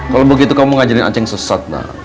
kalau begitu kamu mau ngajarin anceng sesat nah